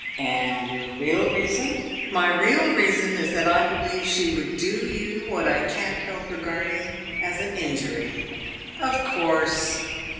"And your real reason " "My real reason is that I believe she would do you what I can't help regarding as an injury." "Of course!"